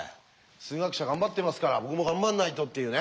数学者頑張ってますから僕も頑張んないとっていうね。